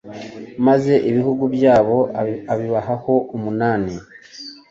maze ibihugu byabo abibahaho umunani